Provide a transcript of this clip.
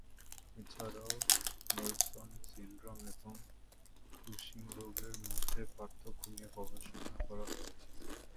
এছাড়াও, Nelson syndrome এবং Cushing রোগের মধ্যে পার্থক্য নিয়ে গবেষণা করা হয়েছে।